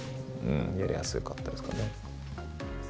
やりやすかったですかね。